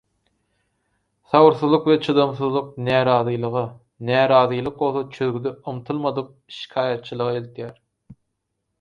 Sabyrsyzlyk we çydamsyzlyk närazylyga, närazylyk bolsa çözgüde ymtylmadyk şikaýatçylyga eltýär.